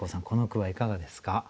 この句はいかがですか？